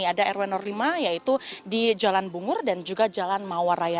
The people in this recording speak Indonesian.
ada rw lima yaitu di jalan bungur dan juga jalan mawaraya